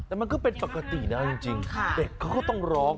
แต่มันก็เป็นปกตินะจริงเด็กเขาก็ต้องร้อง